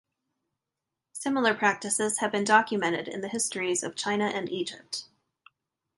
Similar practices have been documented in the histories of China and Egypt.